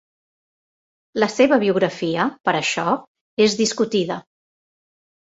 La seva biografia, per això, és discutida.